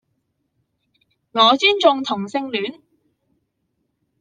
我尊重同性戀